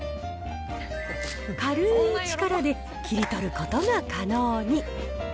軽い力で切り取ることが可能に。